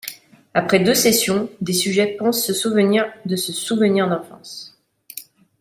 Après deux sessions, des sujets pensent se souvenir de ce souvenir d'enfance.